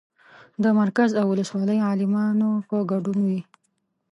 د مرکز او ولسوالۍ عالمانو په ګډون وي.